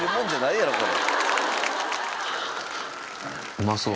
うまそう。